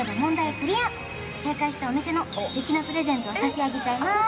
クリア正解したお店の素敵なプレゼントを差し上げちゃいます